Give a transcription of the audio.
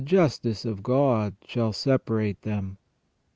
justice of God shall separate them.